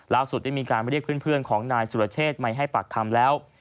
ได้มีการไปเรียกเพื่อนของนายสุรเชษมาให้ปากคำแล้ว